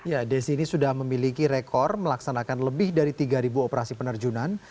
ya desi ini sudah memiliki rekor melaksanakan lebih dari tiga operasi penerjunan